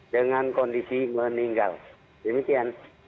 dengan kondisi meninggal demikian